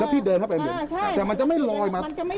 ถ้าพี่เดินเข้าไปเหม็นแต่มันจะไม่ลอยมั้ยหลอยอย่างนี้ใช่